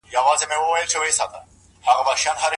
جګړه د انسانانو اخلاق تر ازمېښت لاندې نیسي.